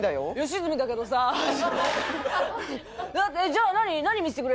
じゃあ何？